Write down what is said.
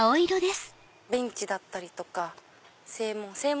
ベンチだったりとか正門。